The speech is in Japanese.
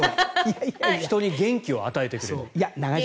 人に元気を与えてくれる。